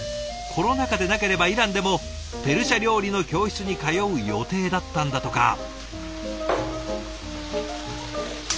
コロナ禍でなければイランでもペルシャ料理の教室に通う予定だったんだとか。